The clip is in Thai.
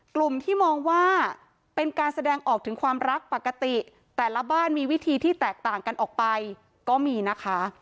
กลุ่มที่มองว่าเป็นการแสดงออกถึงความรักปกติแต่ละบ้านมีวิธีที่แตกต่างกันออกไปก็มีนะคะ